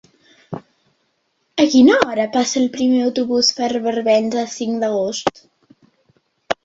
A quina hora passa el primer autobús per Barbens el cinc d'agost?